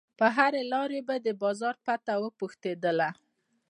له هر لاروي به د بازار پته پوښتله.